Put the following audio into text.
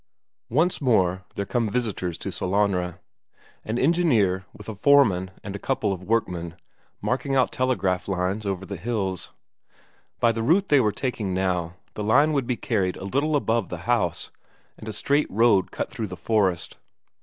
Once more there came visitors to Sellanraa; an engineer, with a foreman and a couple of workmen, marking out telegraph lines again over the hills. By the route they were taking now, the line would be carried a little above the house, and a straight road cut through the forest.